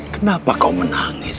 kenapa kau menangis